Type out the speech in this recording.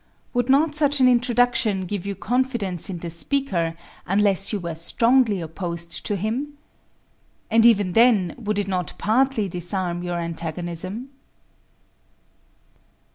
Would not such an introduction give you confidence in the speaker, unless you were strongly opposed to him? And even then, would it not partly disarm your antagonism?